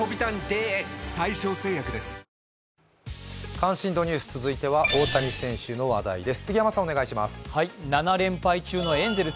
「関心度ニュース」続いては大谷選手の話題です。